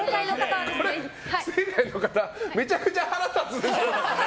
不正解の方めちゃくちゃ腹立つでしょ。